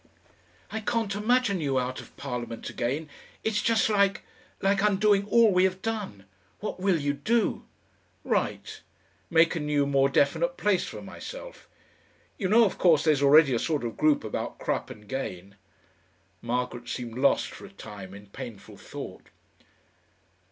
"I can't imagine you out of Parliament again. It's just like like undoing all we have done. What will you do?" "Write. Make a new, more definite place for myself. You know, of course, there's already a sort of group about Crupp and Gane." Margaret seemed lost for a time in painful thought.